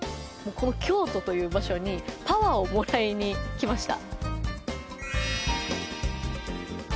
この京都という場所にパワーをもらいに来ました。